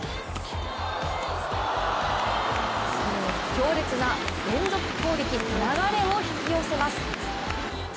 強烈な連続攻撃で流れを引き寄せます。